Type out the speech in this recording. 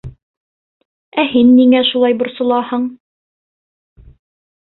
Ә һин ниңә шулай борсолаһың?